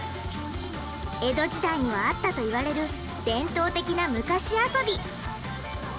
江戸時代にはあったと言われる伝統的な昔遊び。